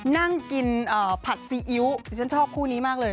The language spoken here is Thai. นั่งกินผัดซีอิ๊วดิฉันชอบคู่นี้มากเลย